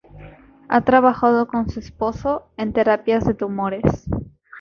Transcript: Ha trabajado con su esposo en terapias de tumores.